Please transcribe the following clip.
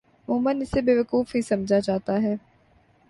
عموما اسے بیوقوف ہی سمجھا جاتا ہے۔